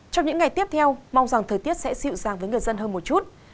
trong những ngày tiếp theo mong rằng thời tiết sẽ dịu dàng với người dân hơn một chút